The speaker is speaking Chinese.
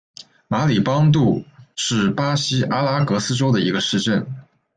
马里邦杜是巴西阿拉戈斯州的一个市镇。